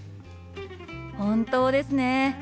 本当ですね。